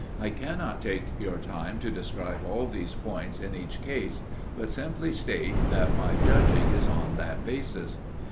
I cannot take your time to describe all these points in each case, but simply state that my judging is on that basis.